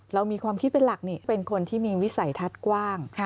เรามีความคิดเป็นหลักนี่เป็นคนที่มีวิสัยทัศน์กว้าง